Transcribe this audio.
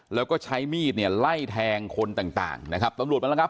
แล้วก็ใช้มีดเนี่ยไล่แทงคนต่างต่างนะครับตำรวจมาแล้วครับ